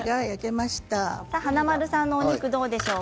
華丸さんのお肉はどうでしょうか。